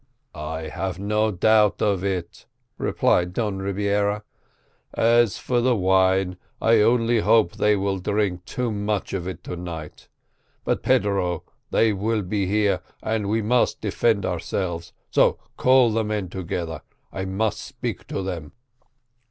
"I have no doubt of it," replied Don Rebiera. "As for the wine, I only hope they will drink too much of it to night. But, Pedro, they will be here, and we must defend ourselves so call the men together; I must speak to them."